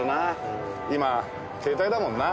今は携帯だもんな。